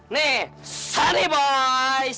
nih sani boy